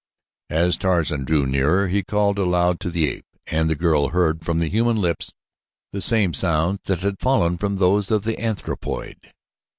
As Tarzan drew nearer he called aloud to the ape and the girl heard from the human lips the same sounds that had fallen from those of the anthropoid.